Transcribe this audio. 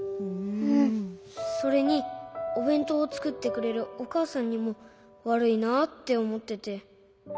それにおべんとうをつくってくれるおかあさんにもわるいなっておもってて。